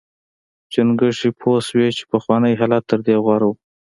چنګښې پوه شوې چې پخوانی حالت تر دې غوره و.